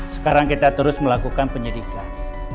sekarang kita terus melakukan penyidikan